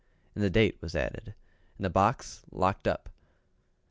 And the date was added, and the box locked up.